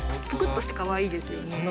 ぷくっとしてかわいいですよね。